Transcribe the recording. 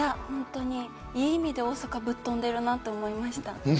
いい意味で、大阪ぶっ飛んでるなと思いました。